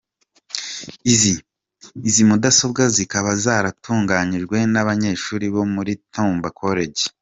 Izi mudasobwa zikaba zaratunganyijwe n’abanyeshuri bo muri Tumba College.